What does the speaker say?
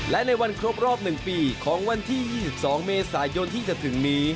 และในวันครบรอบ๑ปีของวันที่๒๒เมษายนที่จะถึงนี้